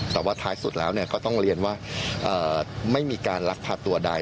แต่ว่าท้ายสุดแล้วก็ต้องเรียนว่าไม่มีการลักพาตัวใด